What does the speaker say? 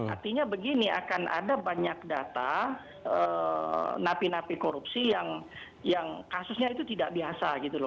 artinya begini akan ada banyak data napi napi korupsi yang kasusnya itu tidak biasa gitu loh